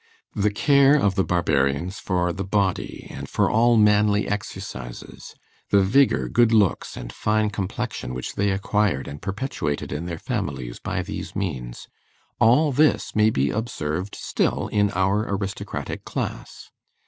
The care of the Barbarians for the body, and for all manly exercises; the vigor, good looks, and fine complexion which they acquired and perpetuated in their families by these means, all this may be observed still in our aristocratic class.